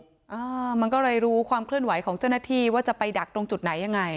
อ่ามันก็เลยรู้ความเคลื่อนไหวของเจ้าหน้าที่ว่าจะไปดักตรงจุดไหนยังไง